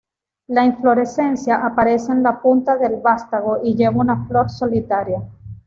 La inflorescencia aparece en la punta del vástago y lleva una flor solitaria.